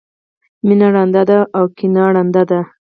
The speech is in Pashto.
مینه رانده ده او کینه ړنده ده.